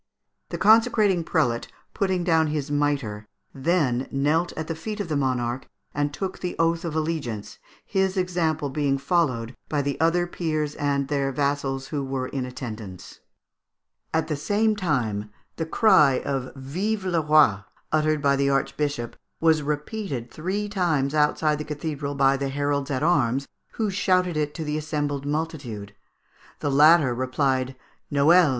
The consecrating prelate, putting down his mitre, then knelt at the feet of the monarch and took the oath of allegiance, his example being followed by the other peers and their vassals who were in attendance. At the same time, the cry of "Vive le Roi!" uttered by the archbishop, was repeated three times outside the cathedral by the heralds at arms, who shouted it to the assembled multitude. The latter replied, "_Noel!